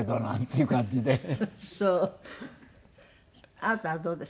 あなたはどうですか？